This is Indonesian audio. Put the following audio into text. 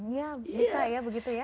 ya bisa ya begitu ya